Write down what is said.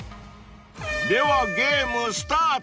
［ではゲームスタート］